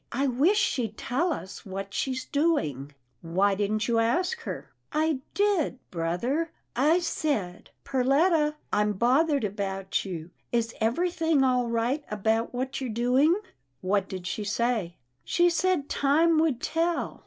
I wish she'd tell us what she's doing." "Why didn't you ask her?" " I did, brother. I said, ' Perletta, I'm bothered about you. Is everything all right about what you're doing? '" "What did she say?" " She said time would tell."